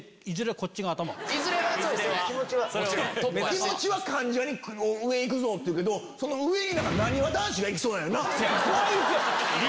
気持ちは関ジャニの上行くぞっていうけどその上になにわ男子が行きそうやよな。